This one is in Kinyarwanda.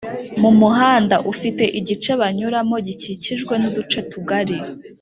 Mu muhanda ufite igice banyuramo gikikijwe n'uduce tugari